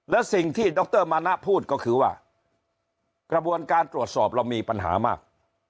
แล้วสิ่งที่ดรมานะพูดก็คือว่ากระบวนการตรวจสอบเรามีปัญหามาก